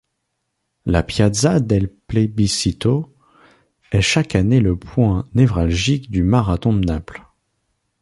La Piazza del Plebiscito est chaque année le point névralgique du marathon de Naples.